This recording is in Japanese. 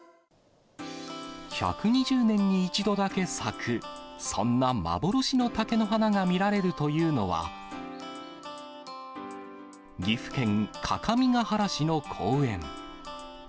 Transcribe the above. １２０年に１度だけ咲く、そんな幻の竹の花が見られるというのは、岐阜県各務原市の公園。